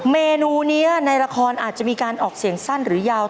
เมนูนี้ในละครอาจจะมีการออกเสียงสั้นหรือยาว